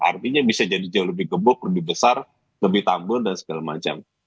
artinya bisa jadi jauh lebih gebuk lebih besar lebih tabur dan segala macam